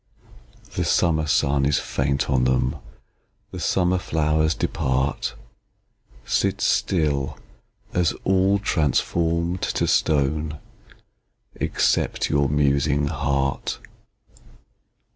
The summer sun is faint on them, The summer flowers depart, Sit still, as all transform'd to stone, Except your musing heart.